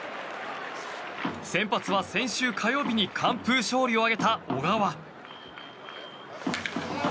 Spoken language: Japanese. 先発は先週火曜日に完封勝利を挙げた小川。